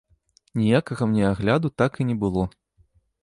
Ніякага мне агляду так і не было.